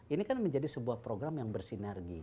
ini kan menjadi sebuah program yang bersinergi